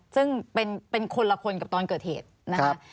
ซึ่งเป็นคนละคนกับตอนเกิดเหตุนะคะ